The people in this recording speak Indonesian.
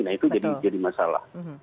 nah itu jadi masalah